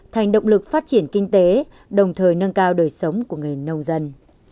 thành động lực phát triển kinh tế đồng thời nâng cao đời sống của người nông dân